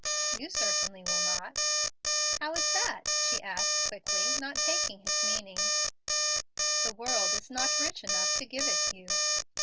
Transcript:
"You certainly will not." "How is that?" she asked quickly, not taking his meaning, "The world is not rich enough to give it you."